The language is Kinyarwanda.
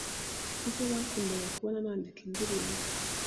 kuko bakundaga kubona nandika indirimbo